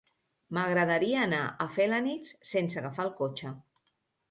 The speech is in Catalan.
M'agradaria anar a Felanitx sense agafar el cotxe.